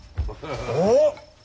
おっ！